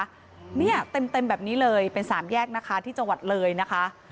เนี่ยเต็มแบบนี้เลยเป็นสามแยกนะคะที่จังหวัดเลยนะคะ